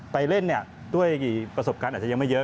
ไปเล่นเนี่ยด้วยประสบการณ์อาจจะยังไม่เยอะ